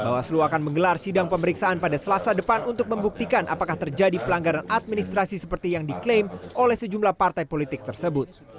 bawaslu akan menggelar sidang pemeriksaan pada selasa depan untuk membuktikan apakah terjadi pelanggaran administrasi seperti yang diklaim oleh sejumlah partai politik tersebut